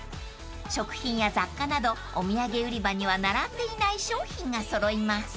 ［食品や雑貨などお土産売り場には並んでいない商品が揃います］